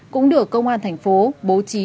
cũng được công an thành phố bố trí